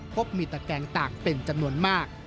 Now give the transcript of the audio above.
พบมีตะแกงตากเป็นจำนวนมาก